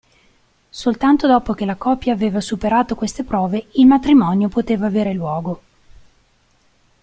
Soltanto dopo che la coppia aveva superato queste prove il matrimonio poteva avere luogo.